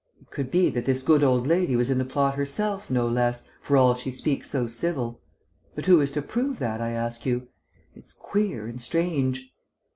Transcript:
It could be that this good old lady was in the plot herself, no less, for all she speaks so civil. But who is to prove that, I ask you? It's queer and strange...."